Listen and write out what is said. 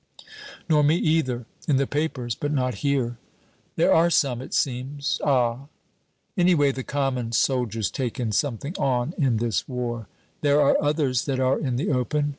"Nor me either. In the papers, but not here." "There are some, it seems." "Ah!" "Anyway, the common soldier's taken something on in this war." "There are others that are in the open.